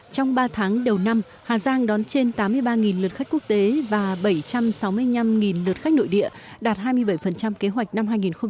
trong ba tháng đầu năm hà giang đón trên tám mươi ba lượt khách quốc tế và bảy trăm sáu mươi năm lượt khách nội địa đạt hai mươi bảy kế hoạch năm hai nghìn hai mươi